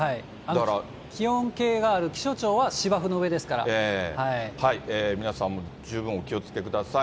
気温計がある、気象庁は芝生の上皆さんも十分お気をつけください。